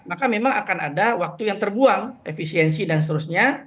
maka memang akan ada waktu yang terbuang efisiensi dan seterusnya